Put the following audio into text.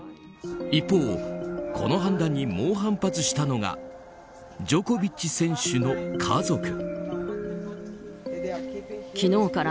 一方、この判断に猛反発したのがジョコビッチ選手の家族。